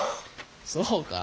そうか。